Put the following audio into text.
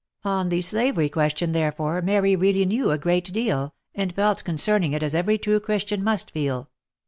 On the slavery question therefore Mary really knew a great deal, and felt concerning it as every true Christian must feel.